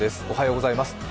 おはようございます。